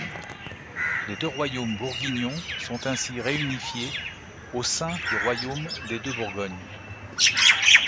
Les deux royaumes bourguignons sont ainsi réunifiés au sein du Royaume des Deux-Bourgognes.